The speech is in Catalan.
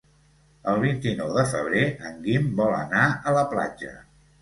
El vint-i-nou de febrer en Guim vol anar a la platja.